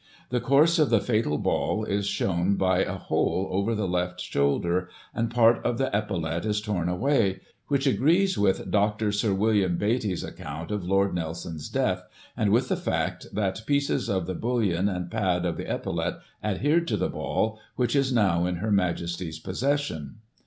The course of the fatal ball is shewn by a hole over the left shoulder, and part of the epaulette is torn away; which agrees with Dr. Sir William Beattie's account of Lord Nelson's death, and with the fact, that pieces of the bullion and pad of the epaulette adhered to the ball, which is now in Her Majesty's possession.